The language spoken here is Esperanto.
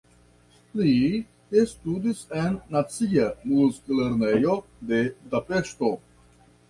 Li studis en Nacia Muziklernejo de Budapeŝto.